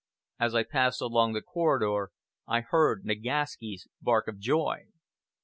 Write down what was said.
As I passed along the corridor, I heard Nagaski's bark of joy!